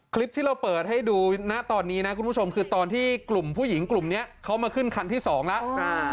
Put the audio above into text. คลิปที่เราเปิดให้ดูนะตอนนี้นะคุณผู้ชมคือตอนที่กลุ่มผู้หญิงกลุ่มนี้เขามาขึ้นคันที่สองแล้ว